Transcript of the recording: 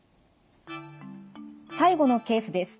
最後のケースです。